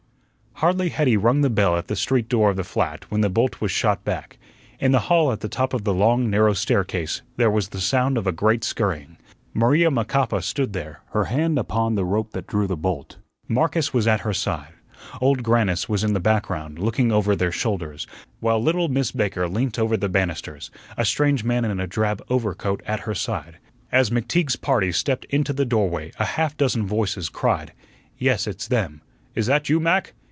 Hardly had he rung the bell at the street door of the flat when the bolt was shot back. In the hall at the top of the long, narrow staircase there was the sound of a great scurrying. Maria Macapa stood there, her hand upon the rope that drew the bolt; Marcus was at her side; Old Grannis was in the background, looking over their shoulders; while little Miss Baker leant over the banisters, a strange man in a drab overcoat at her side. As McTeague's party stepped into the doorway a half dozen voices cried: "Yes, it's them." "Is that you, Mac?"